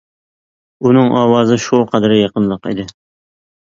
ئۇنىڭ ئاۋازى شۇ قەدەر يېقىملىق ئىدى.